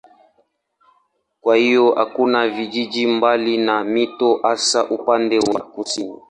Kwa hiyo hakuna vijiji mbali na mito hasa upande wa kusini.